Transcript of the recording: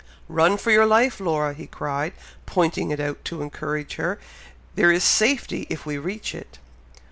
"Run for your life, Laura!" he cried, pointing it out, to encourage her. "There is safety, if we reach it."